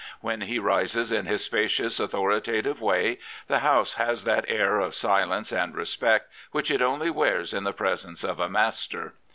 When he rises in his spacious, authoritative way the House has that air of silence and respect which it only wears in the presence of a master.